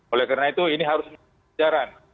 oleh karena itu ini harus menjadi pelajaran